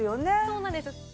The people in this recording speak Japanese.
そうなんです。